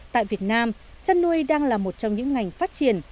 tại việt nam chăn nuôi đang là một trong những ngành phát triển